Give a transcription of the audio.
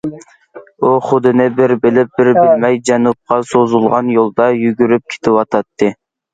ئۇ خۇدىنى بىر بىلىپ، بىر بىلمەي جەنۇبقا سوزۇلغان يولدا يۈگۈرۈپ كېتىۋاتاتتى.